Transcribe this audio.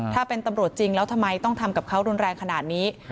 ถ้าเป็นตำรวจจริงแล้วทำไมต้องทำกับเขารุนแรงขนาดนี้